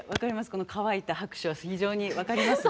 この乾いた拍手は非常に分かりますが。